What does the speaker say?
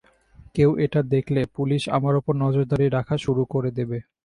কেউ এটা দেখলে, পুলিশ আমার ওপর নজরদারি রাখা শুরু করে দেবে।